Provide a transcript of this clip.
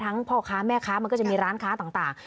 ทั้งพ่อค้าแม่ค้าเราก็จะมีร้านค้าภาพต่าง